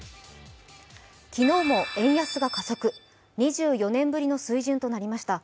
昨日も円安が加速、２４年ぶりの水準となりました。